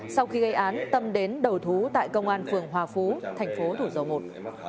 sau khi gây án tâm đến đầu thú tại công an phường hòa phú thành phố thủ dầu một